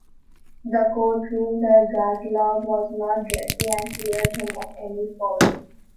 The court ruled that Gottlob was not guilty and cleared him of any fault.